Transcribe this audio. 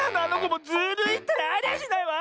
もうズルいったらありゃしないわ！